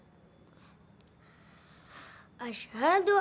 ya allah aku berdoa kepada tuhan